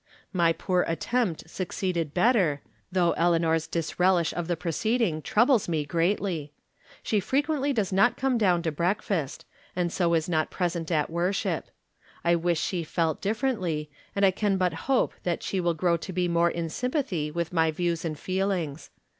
My poor attempt succeeded better, though El 102 From Different Standpoints. eanor's disrelish of the proceeding troubles me greatly. She frequently does not come down to breakfast, and so is not present at worship. I wish she felt differently, and I can but hope that she wUl grow to be more in sympathy with my views and feelings.